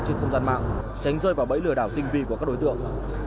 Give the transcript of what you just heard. trên không gian mạng tránh rơi vào bẫy lừa đảo tinh vi của các đối tượng